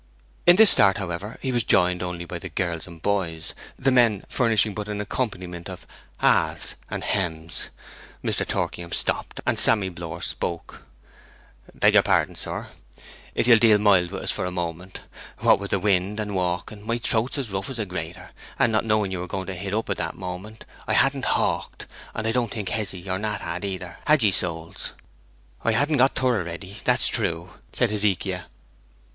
In this start, however, he was joined only by the girls and boys, the men furnishing but an accompaniment of ahas and hems. Mr. Torkingham stopped, and Sammy Blore spoke, 'Beg your pardon, sir, if you'll deal mild with us a moment. What with the wind and walking, my throat's as rough as a grater; and not knowing you were going to hit up that minute, I hadn't hawked, and I don't think Hezzy and Nat had, either, had ye, souls?' 'I hadn't got thorough ready, that's true,' said Hezekiah.